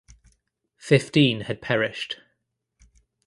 Fifteen had perished.